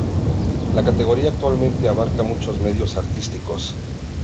La categoría, actualmente, abarca muchos medios artísticos.